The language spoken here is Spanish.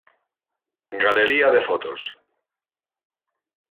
Galería de Fotos